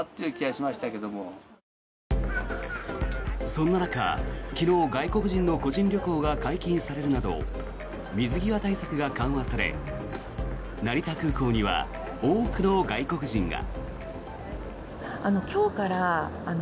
そんな中、昨日、外国人の個人旅行が解禁されるなど水際対策が緩和され成田空港には多くの外国人が。